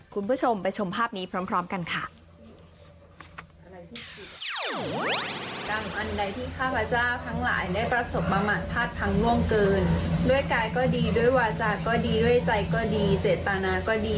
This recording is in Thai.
คุณผู้ชมไปชมภาพนี้พร้อมกันค่ะ